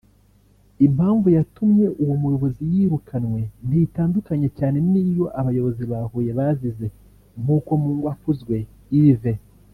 Impamvu yatumye uwo muyobozi yirukanwe ntitandukanye cyane n’iyo abayobozi ba Huye bazize nk’uko Mungwakuzwe Yves